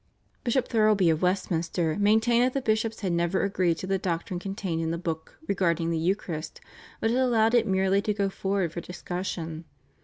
Bishop Thirlby of Westminster maintained that the bishops had never agreed to the doctrine contained in the Book regarding the Eucharist but had allowed it merely to go forward for discussion.